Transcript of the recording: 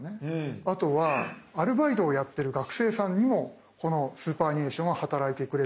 あとはアルバイトをやってる学生さんにもこのスーパーアニュエーションが働いてくれるので。